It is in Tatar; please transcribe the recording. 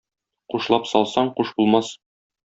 Кушлап салсаң куш булмас